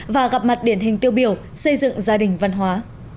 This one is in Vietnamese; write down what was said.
và gặp mặt điển hình tiêu biểu xây dựng gia đình văn hóa